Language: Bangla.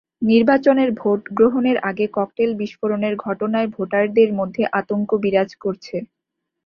নির্বাচনের ভোট গ্রহণের আগে ককটেল বিস্ফোরণের ঘটনায় ভোটারদের মধ্যে আতঙ্ক বিরাজ করছে।